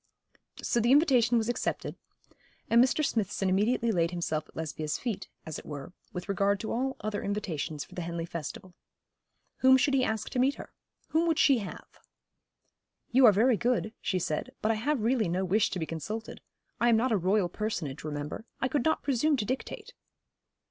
So the invitation was accepted, and Mr. Smithson immediately laid himself at Lesbia's feet, as it were, with regard to all other invitations for the Henley festival. Whom should he ask to meet her? whom would she have? 'You are very good,' she said, 'but I have really no wish to be consulted. I am not a royal personage, remember. I could not presume to dictate.'